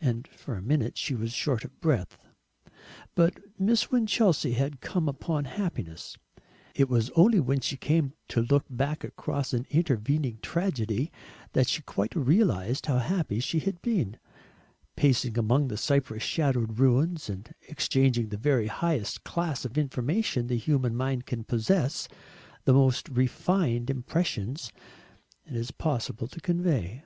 And for a minute she was short of breath. But Miss Winchelsea had come upon happiness. It was only when she came to look back across an intervening tragedy that she quite realised how happy she had been, pacing among the cypress shadowed ruins, and exchanging the very highest class of information the human mind can possess, the most refined impressions it is possible to convey.